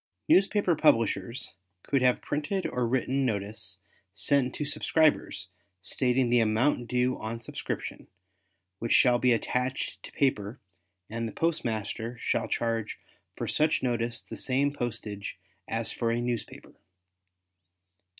Newspaper publishers could have printed or written notice sent to subscribers stating the amount due on subscription, which shall be attached to paper and the postmaster shall charge for such notice the same postage as for a newspaper.